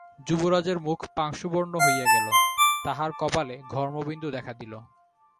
যুবরাজের মুখ পাংশুবর্ণ হইয়া গেল, তাঁহার কপালে ঘর্মবিন্দু দেখা দিল।